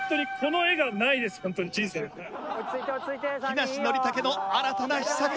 木梨憲武の新たな秘策。